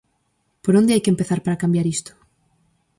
Por onde hai que empezar para cambiar isto?